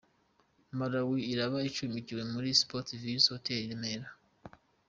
Malawi iraba icumbikiwe muri Sports View Hotel i Remera.